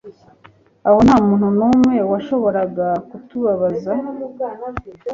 aho nta muntu n'umwe washoboraga kutubabaza